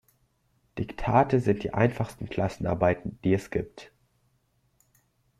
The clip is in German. Diktate sind die einfachsten Klassenarbeiten, die es gibt.